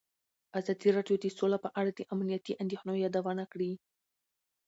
ازادي راډیو د سوله په اړه د امنیتي اندېښنو یادونه کړې.